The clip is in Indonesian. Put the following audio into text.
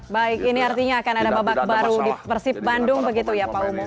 baik ini artinya akan ada babak baru di persib bandung begitu ya pak umu